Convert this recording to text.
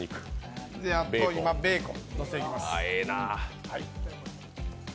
ベーコンをのせていきます。